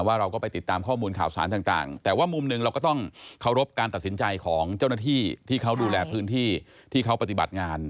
เราก็ไปติดตามข้อมูลข่าวสารต่างแต่ว่ามุมหนึ่งเราก็ต้องเคารพการตัดสินใจของเจ้าหน้าที่ที่เขาดูแลพื้นที่ที่เขาปฏิบัติงาน